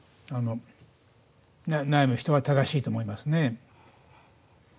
悩む人は正しいと思いますね。